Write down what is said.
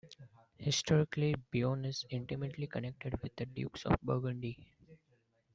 Historically Beaune is intimately connected with the Dukes of Burgundy.